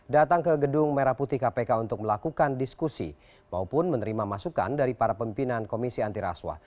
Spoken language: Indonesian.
datang ke gedung merah putih kpk untuk melakukan diskusi maupun menerima masukan dari para pimpinan komisi antiraswa